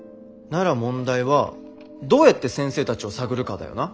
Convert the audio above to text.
なら問題はどうやって先生たちを探るかだよな。